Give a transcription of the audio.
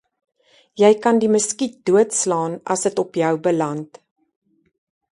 Jy kan die muskiet doodslaan as dit op jou beland.